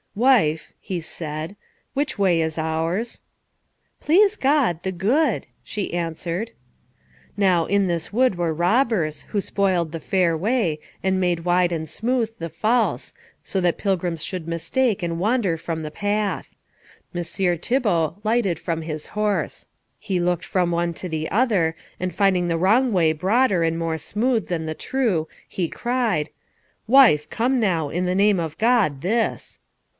"Wife," he said, "which way is ours?" "Please God, the good," she answered. Now in this wood were robbers, who spoiled the fair way, and made wide and smooth the false, so that pilgrims should mistake and wander from the path. Messire Thibault lighted from his horse. He looked from one to the other, and finding the wrong way broader and more smooth than the true, he cried, "Wife, come now; in the name of God, this."